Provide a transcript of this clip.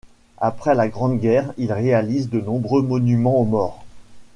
Après la Grande Guerre, il réalise de nombreux monuments aux morts.